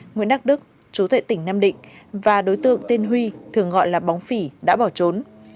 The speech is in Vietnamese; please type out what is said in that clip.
nguyễn đắc đức chú tại tỉnh nam định và đối tượng tên huy thường gọi là bóng phỉ đã bỏ trốn